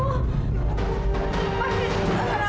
ya allah tasya